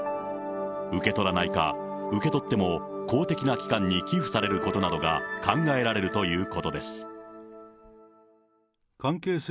受け取らないか、受け取っても公的な機関に寄付されることなどが考えられるということです。